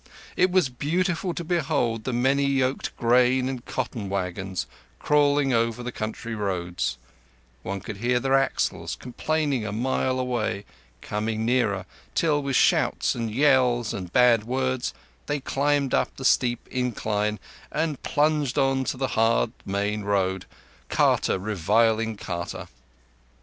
It was beautiful to behold the many yoked grain and cotton wagons crawling over the country roads: one could hear their axles, complaining a mile away, coming nearer, till with shouts and yells and bad words they climbed up the steep incline and plunged on to the hard main road, carter reviling carter.